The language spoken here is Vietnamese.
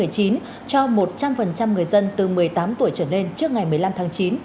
cho một trăm linh người dân từ một mươi tám tuổi trở lên trước ngày một mươi năm tháng chín